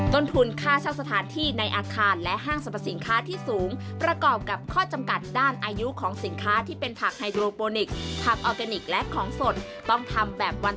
ต้นทุนค่าเช่าสถานที่ในอาคารและห้างสรรพสินค้าที่สูงประกอบกับข้อจำกัดด้านอายุของสินค้าที่เป็นผักไฮโดรโปนิคผักออร์แกนิคและของสดต้องทำแบบวัน